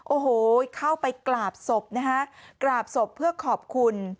โอ้โหเข้าไปกราบศพนะฮะกราบศพเพื่อขอบคุณ